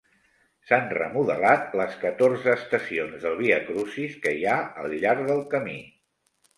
S'han remodelat les catorze estacions del viacrucis que hi ha al llarg del camí.